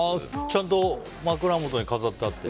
ちゃんと枕元に飾ってあって？